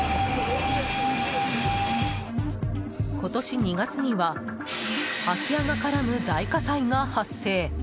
今年２月には空き家が絡む大火災が発生。